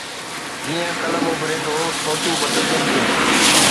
جيئن قلم اڀري ٿو، سوچون بدلجن ٿيون